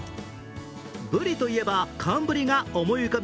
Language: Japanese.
ぶりといえば寒ぶりが思い浮かび